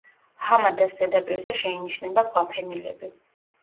ჰამადას ზედაპირზე შეინიშნება ქვაფენილები.